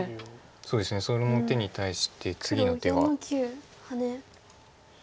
そうですねその手に対して次の手は。